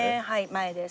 前です。